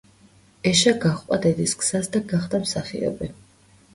ეშა გაჰყვა დედის გზას და გახდა მსახიობი.